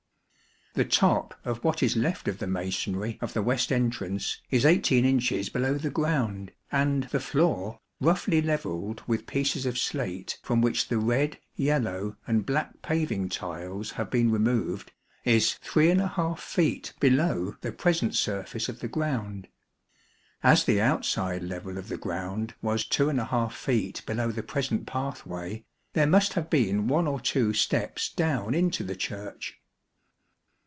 The top of what is left of the masonry of the west entrance is 18 inches below the ground, and the floor, roughly levelled with pieces of slate from which the red, yellow and black paving tiles have been removed, is 3 feet below the present surface of the ground. As the outside level of the ground was 2| feet below the present pathway, there must have been one or two steps down into the Church.